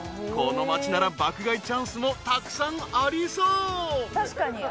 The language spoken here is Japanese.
［この町なら爆買いチャンスもたくさんありそう］